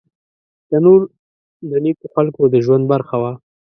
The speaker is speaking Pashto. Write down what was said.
تنور د نیکو خلکو د ژوند برخه وه